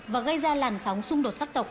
và gây ra làn sóng xung đột sắc tộc